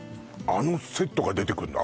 あのセットが出てくんの？